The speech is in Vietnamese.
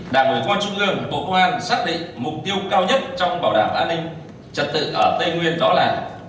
đảng ủy công trung ương bộ công an xác định mục tiêu cao nhất trong bảo đảm an ninh trật tự ở tây nguyên đó là